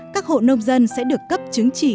các hộ nông dân sẽ được cấp chứng chỉ